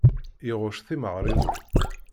Iɣucc timeɣriwin.